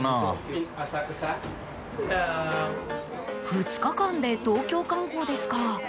２日間で東京観光ですか。